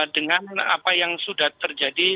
dengan apa yang sudah terjadi